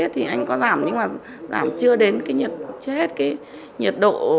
thì anh có giảm nhưng mà giảm chưa đến nhiệt độ